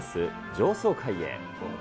上層階へ。